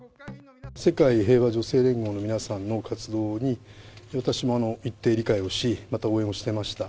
世界平和女性連合の皆さんの活動に私も一定理解をし、また応援をしてました。